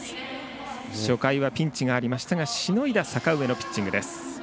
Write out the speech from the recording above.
初回はピンチがありましたがしのいだ阪上のピッチング。